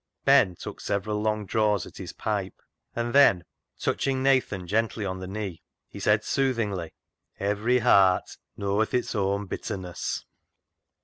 Ben took several long draws at his pipe. TATTY ENTWISTLE'S RETURN 113 and then, touching Nathan gently on the knee, he said soothingly —" Every heart knoweth its own bitterness."